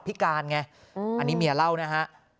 พิการไงอันนี้เมียเล่านะฮะ